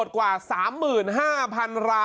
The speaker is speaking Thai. เช็ดแรงไปนี่